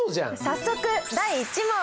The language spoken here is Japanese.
早速第１問！